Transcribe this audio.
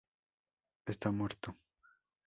Está muerto.